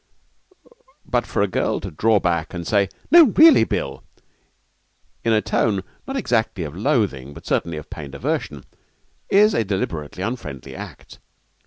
but for a girl to draw back and say, 'No, really, Bill!' in a tone not exactly of loathing, but certainly of pained aversion, is a deliberately unfriendly act.